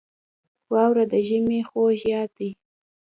• واوره د ژمي خوږ یاد دی.